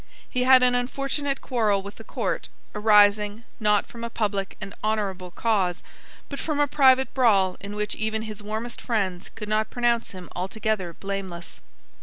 He had an unfortunate quarrel with the court, arising, not from a public and honourable cause, but from a private brawl in which even his warmest friends could not pronounce him altogether blameless.